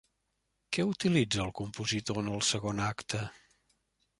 Què utilitza el compositor en el segon acte?